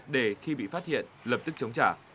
để khi bị phát hiện lập tức chống trả